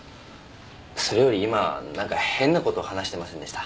それより今何か変なこと話してませんでした？